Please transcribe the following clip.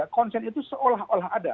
konsen itu seolah olah ada